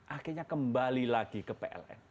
akhirnya kembali lagi ke pln